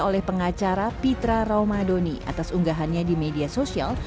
oleh pengacara pitra raumadoni atas unggahannya di media sosial